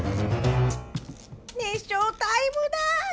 熱唱タイムだ！